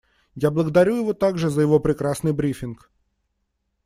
Я благодарю его также за его прекрасный брифинг.